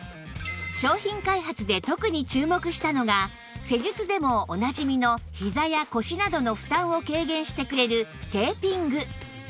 商品開発で特に注目したのが施術でもおなじみのひざや腰などの負担を軽減してくれるテーピング